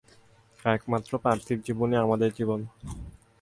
একমাত্র পার্থিব জীবনই আমাদের জীবন।